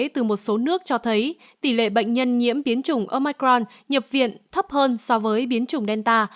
từ một số nước cho thấy tỷ lệ bệnh nhân nhiễm biến chủng omicron nhập viện thấp hơn so với biến chủng delta